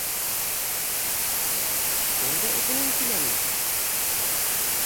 Ул да Өфөнән киләме?